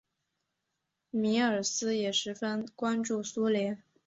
米尔斯也十分关注苏联。